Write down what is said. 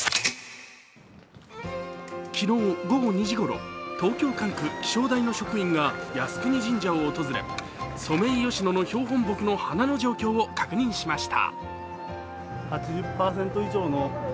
昨日午後２時ごろ、東京管区気象台の職員が靖国神社を訪れソメイヨシノの標本木の花の状況を確認しました。